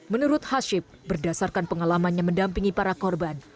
menurut haship berdasarkan pengalamannya mendampingi para korban